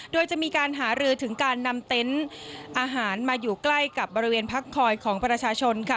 โดยจะมีการหารือถึงการนำเต็นต์อาหารมาอยู่ใกล้กับบริเวณพักคอยของประชาชนค่ะ